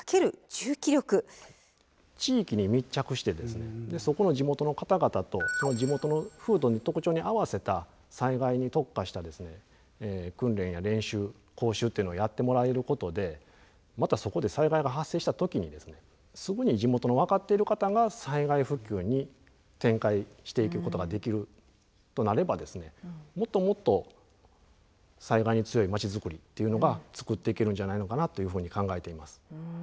地域に密着してそこの地元の方々とその地元の風土に特徴に合わせた災害に特化した訓練や練習講習っていうのをやってもらえることでまたそこで災害が発生した時にすぐに地元の分かっている方が災害復旧に展開していくことができるとなればもっともっと災害に強い町づくりっていうのがつくっていけるんじゃないのかなっていうふうに考えています。